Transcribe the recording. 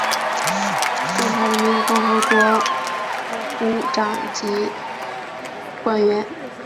中华人民共和国副部长级官员。